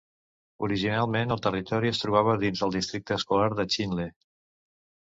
Originalment, el territori es trobava dins del districte escolar de Chinle.